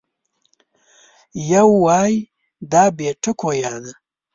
یو وای دا بې ټکو یا ده